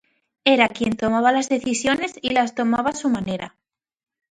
Era quien tomaba las decisiones y las tomaba a su manera.